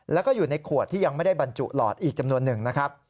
แล้วก็อยู่ในขวดที่ยังไม่ได้บรรจุหลอดอีกจำนวนหนึ่งนะครับ